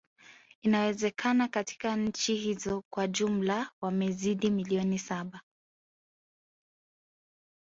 Inawezekana katika nchi hizo kwa jumla wamezidi milioni saba